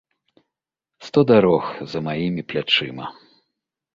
Сто дарог за маімі плячыма.